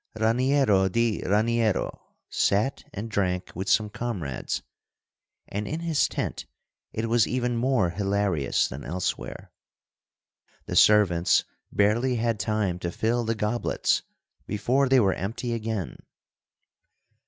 Raniero di Raniero sat and drank with some comrades; and in his tent it was even more hilarious than elsewhere. The servants barely had time to fill the goblets before they were empty again.